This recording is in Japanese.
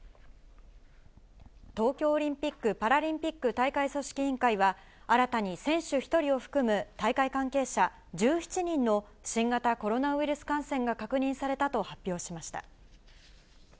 東京オリンピック・パラリンピック大会組織委員会は、新たに選手１人を含む大会関係者１７人の新型コロナウイルス感染が確認されたと発表しました。